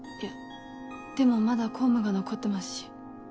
でもまだ公務が残ってますし。